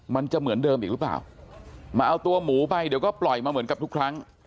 มันจะเหมือนเดิมอีกหรือเปล่ามาเอาตัวหมูไปเดี๋ยวก็ปล่อยมาเหมือนกับทุกครั้ง